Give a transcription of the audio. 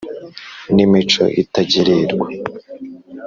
n ' imico itagererwa,